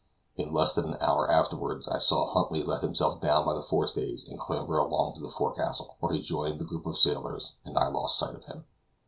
In less than an hour afterward I saw Huntly let himself down by the forestays and clamber along to the fore castle, where he joined the group of sailors, and I lost sight of him.